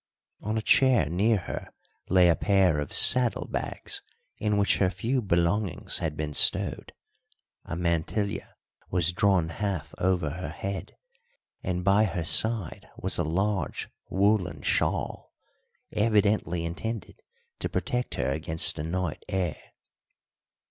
On a chair near her lay a pair of saddle bags in which her few belongings had been stowed; a mantilla was drawn half over her head, and by her side was a large woollen shawl, evidently intended to protect her against the night air.